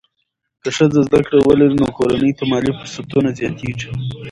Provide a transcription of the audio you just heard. که ښځه زده کړه ولري، نو کورنۍ ته مالي فرصتونه زیاتېږي.